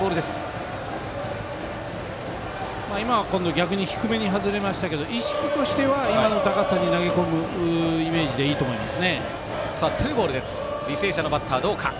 逆に低めに外れましたけど意識としては今の高さに投げ込むイメージでいいと思います。